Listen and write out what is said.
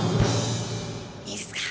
いいっすか。